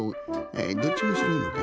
えどっちもしろいのか。